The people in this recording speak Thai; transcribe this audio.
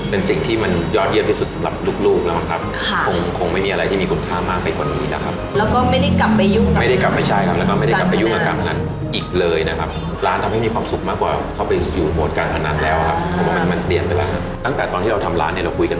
เป็นผู้ตอบภัณฑ์หรือเป็นผู้ตอบภัณฑ์หรือเป็นผู้ตอบภัณฑ์หรือเป็นผู้ตอบภัณฑ์หรือเป็นผู้ตอบภัณฑ์หรือเป็นผู้ตอบภัณฑ์หรือเป็นผู้ตอบภัณฑ์หรือเป็นผู้ตอบภัณฑ์หรือเป็นผู้ตอบภัณฑ์หรือเป็นผู้ตอบภัณฑ์หรือเป็นผู้ตอบภัณฑ์หรือเป็นผู้ตอบภัณ